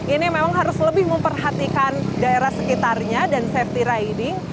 ini memang harus lebih memperhatikan daerah sekitarnya dan safety riding